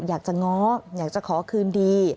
อยากจะง้ออยากจะขอคืนดี